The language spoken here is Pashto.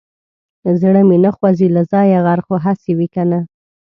زړه مې نه خوځي له ځايه غر خو هسې وي کنه.